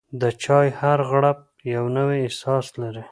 د چای هر غوړپ یو نوی احساس لري.